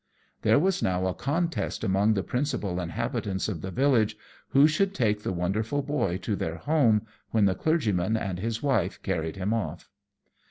There was now a contest amongst the principal inhabitants of the village who should take the wonderful boy to their home, when the clergyman and his wife carried him off.